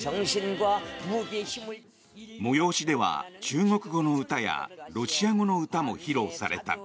催しでは中国語の歌やロシア語の歌も披露された。